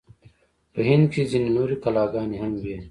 په هند کې ځینې نورې کلاګانې هم وې.